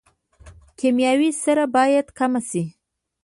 کیمیاوي سره باید کمه شي